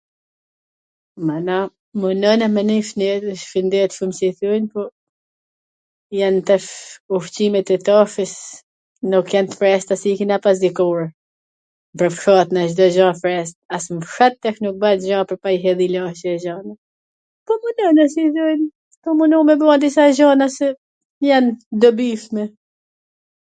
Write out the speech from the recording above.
mana, munohena me nenj t shwndetshwm si i thojn, po jan tash ushqimet e tashes, nuk jan t freskta si i kena pas dikur, rrafshohet tash Cdo gja e freskt, as nw fshat tash nuk bahet gja pwr pa i hedh ilaCe e gjana. Po mundohena si i thon, po mundohena me i ba disa gjana se jan t dobishme